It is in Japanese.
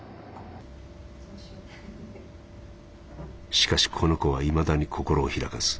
「しかしこの子はいまだに心を開かず。